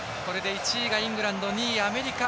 １位がイングランド２位がアメリカ。